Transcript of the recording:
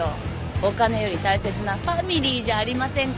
お金より大切なファミリーじゃありませんか。